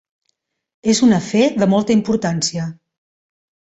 És un afer de molta importància.